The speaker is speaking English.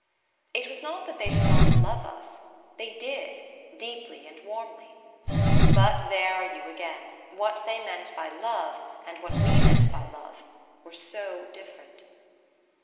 It was not that they did not love us; they did, deeply and warmly. But there are you again what they meant by "love" and what we meant by "love" were so different.